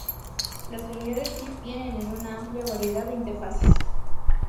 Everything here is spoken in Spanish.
Las unidades Zip vienen en una amplia variedad e interfaces.